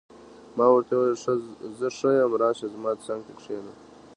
ما ورته وویل: زه ښه یم، راشه، زما څنګ ته کښېنه.